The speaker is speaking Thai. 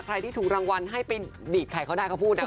ใครที่ถูกรางวัลให้ไปดีดไข่เขาได้เขาพูดนะ